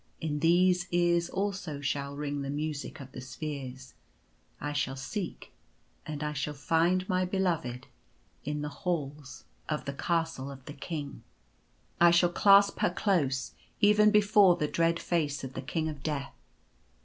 In these ears also shall ring the Music of the Spheres. I shall seek, and I shall find my Beloved in the Halls of the 1 40 The Hj>uest. Castle of the King. I shall clasp her close — even before the dread face of the King of Death."